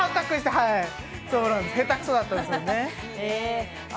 下手くそだったんですよね。